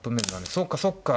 そっかそっか。